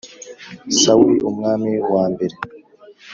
sawuli, umwami wa mbere